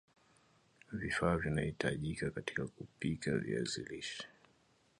vifaa vinavyahitajika katika kupika viazi lishe